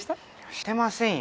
してませんよ